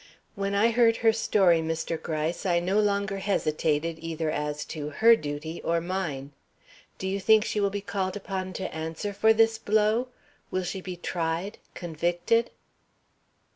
When I heard her story, Mr. Gryce, I no longer hesitated either as to her duty or mine. Do you think she will be called upon to answer for this blow? Will she be tried, convicted?"